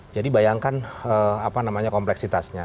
jadi bayangkan kompleksitasnya